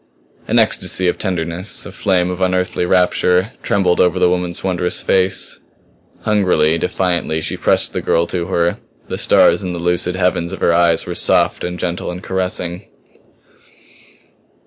An ecstasy of tenderness, a flame of unearthly rapture, trembled over the woman's wondrous face. Hungrily, defiantly, she pressed the girl to her; the stars in the lucid heavens of her eyes were soft and gentle and caressing.